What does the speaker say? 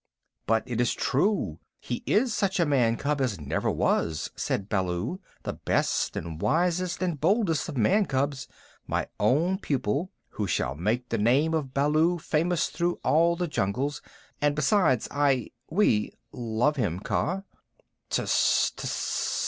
"But it is true. He is such a man cub as never was," said Baloo. "The best and wisest and boldest of man cubs my own pupil, who shall make the name of Baloo famous through all the jungles; and besides, I we love him, Kaa." "Ts! Ts!"